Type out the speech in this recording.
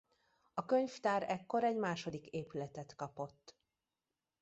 A könyvtár ekkor egy második épületet kapott.